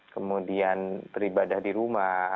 kemudian beribadah di rumah